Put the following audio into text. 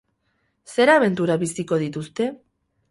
Zer abentura biziko dituzte?